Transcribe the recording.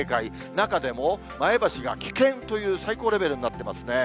中でも前橋が危険という最高レベルになっていますね。